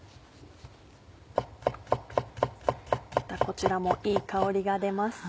またこちらもいい香りが出ます。